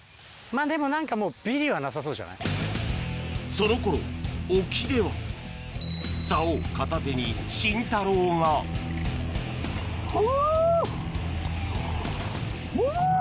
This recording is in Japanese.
その頃沖では竿を片手にシンタローがお！